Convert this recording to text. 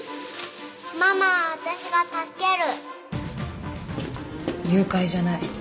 ママは私が助ける誘拐じゃない。